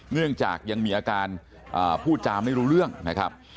เนื่องจากยังมีอาการพูดจาไม่รู้เรื่องนะครับ